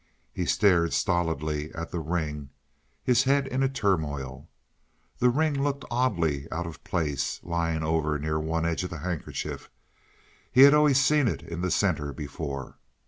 He stared stolidly at the ring, his head in a turmoil. The ring looked oddly out of place, lying over near one edge of the handkerchief; he had always seen it in the center before.